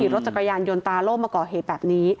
รถจักรยานยนตราร่โว้เก่าเหตุแบบนี้